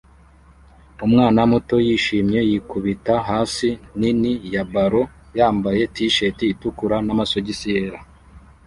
Umwana muto wishimye yikubita hasi nini ya ballon yambaye t-shati itukura n amasogisi yera